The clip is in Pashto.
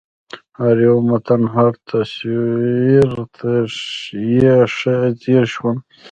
هر یو متن هر تصویر ته یې ښه ځېر شوم